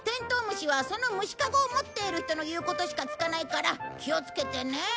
虫はその虫かごを持っている人の言うことしか聞かないから気をつけてね。